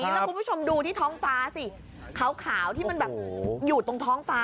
เราครูผู้ชมดูที่มันเข้าขาวที่มันอยู่ตรงท้องฟ้า